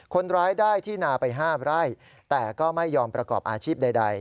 คนร้ายได้ที่นาไป๕ไร่แต่ก็ไม่ยอมประกอบอาชีพใด